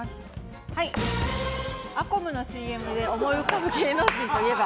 アコムのＣＭで思い浮かぶ芸能人といえば？